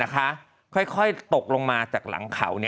ค่อยตกลงมาจากหลังเขา